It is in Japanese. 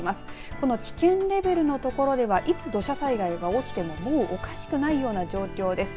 この危険レベルの所ではいつ土砂災害が起きてもおかしくないような状況です。